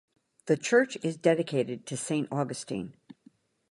The church is dedicated to Saint Augustine.